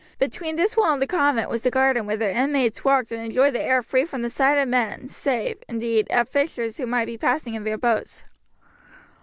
Between this wall and the convent was the garden where the inmates walked and enjoyed the air free from the sight of men, save, indeed, of fishers who might be passing in their boats.